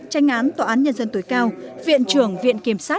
tranh án tòa án nhân dân tuổi cao viện trưởng viện kiểm soát